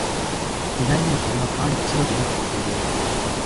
意外にも、それは川に千鳥が舞っている絵を